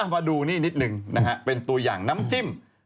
มาดูนี่นิดหนึ่งนะฮะเป็นตัวอย่างน้ำจิ้ม